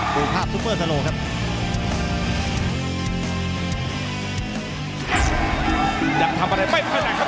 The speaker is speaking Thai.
ดูภาพซุมเมอร์สโลครับ